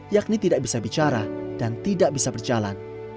yakni tidak bisa bicara dan tidak bisa berjalan